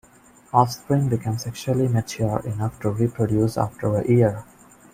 Offspring become sexually mature enough to reproduce after a year.